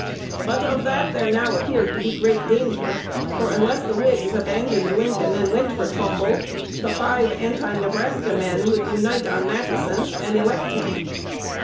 But of that there now appeared to be great danger; for, unless the Whigs abandoned Lincoln and went for Trumbull, the five Anti Nebraska men would unite on Matteson, and elect him.